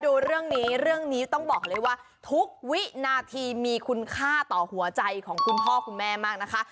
ดูเรื่องนี้เรื่องนี้ต้องบอกเลยว่าทุกวินาทีมีคุณค่าต่อหัวใจของคุณพ่อคุณแม่มากนะคะ